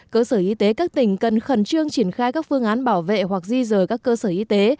cơ sở y tế các tỉnh cần khẩn trương triển khai các phương án bảo vệ hoặc di rời các cơ sở y tế